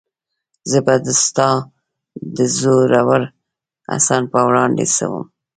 زه به د ستا د زورور حسن په وړاندې څه وم؟